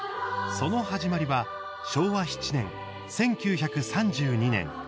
その始まりは昭和７年１９３２年。